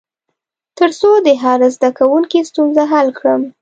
تر څو د هر زده کوونکي ستونزه حل کړم.